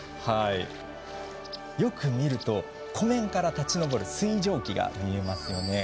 よく見ると、湖面から立ち上る水蒸気が見えますね。